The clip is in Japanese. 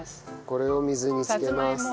これを水に浸けます。